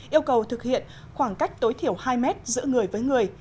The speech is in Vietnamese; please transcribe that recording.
yêu cầu thực hiện khoảng cách tối thiểu hai mét giữa người với người